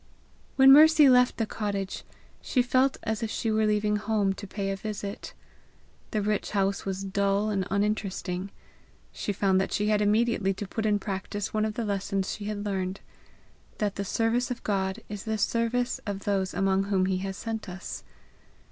When Mercy left the cottage, she felt as if she were leaving home to pay a visit. The rich house was dull and uninteresting. She found that she had immediately to put in practice one of the lessons she had learned that the service of God is the service of those among whom he has sent us.